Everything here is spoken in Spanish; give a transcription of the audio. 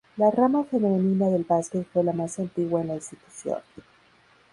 La rama femenina del básquet fue la más antigua en la institución.